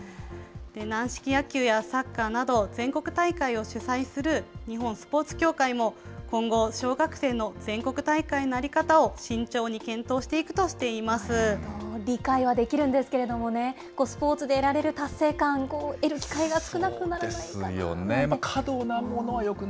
軟式野球やサッカーなど、全国大会を主催する日本スポーツ協会も、今後、小学生の全国大会の在り方を慎重に検討していくとしていま理解はできるんですけどもね、スポーツで得られる達成感、得る機会が少なくなるんじゃないかなそうですよね。